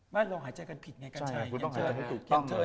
ไม่เราหายใจกันผิดไงกันใช่ใช่คุณต้องหายใจถูกต้อง